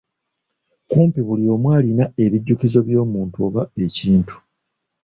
Kumpi buli omu alina ebijjukizo by'omuntu oba ekintu.